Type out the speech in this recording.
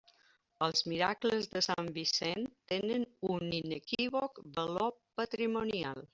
Els miracles de sant Vicent tenen un inequívoc valor patrimonial.